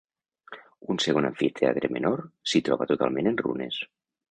Un segon amfiteatre menor, s'hi troba totalment en runes.